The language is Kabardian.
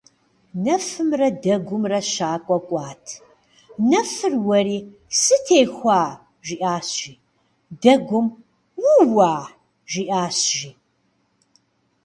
Нэфымрэ дэгумрэ щакӏуэ кӏуат. Нэфыр уэри: «сытехуа?» жиӏащ, жи. Дэгум: «ууа?» жиӏащ, жи.